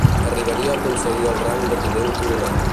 Arribaria a aconseguir el rang de tinent coronel.